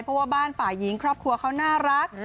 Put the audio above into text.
เพราะว่าบ้านฝ่ายหญิงครอบครัวเขาน่ารัก